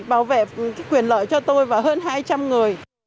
bảo vệ quyền lợi cho tôi và hơn hai trăm linh người